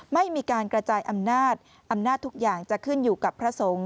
ไม่มีการกระจายอำนาจอำนาจทุกอย่างจะขึ้นอยู่กับพระสงฆ์